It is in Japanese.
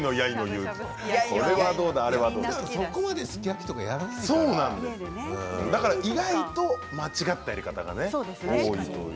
そこまですき焼きとかだから意外と間違ったやり方をね。